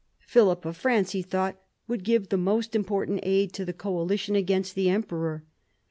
Philip of France, he thought, would give the most important aid to the coalition against the emperor.